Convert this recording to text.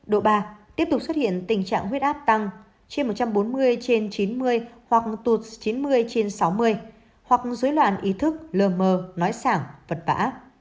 độ ba tiếp tục xuất hiện tình trạng huyết áp tăng trên một trăm bốn mươi trên chín mươi hoặc tụt chín mươi trên sáu mươi hoặc dối loạn ý thức lờ mờ nói sảng vật vã